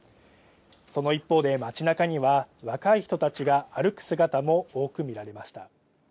その一方で、町なかには若い人たちが歩く姿も多く見られました。